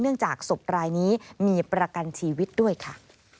จากศพรายนี้มีประกันชีวิตด้วยค่ะ